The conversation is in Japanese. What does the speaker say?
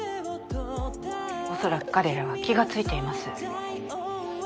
おそらく彼らは気がついています。